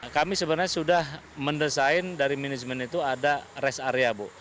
kami sebenarnya sudah mendesain dari manajemen itu ada rest area bu